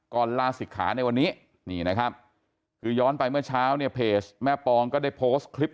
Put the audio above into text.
ลาศิกขาในวันนี้นี่นะครับคือย้อนไปเมื่อเช้าเนี่ยเพจแม่ปองก็ได้โพสต์คลิป